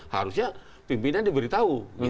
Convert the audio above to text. harusnya pimpinan diberitahu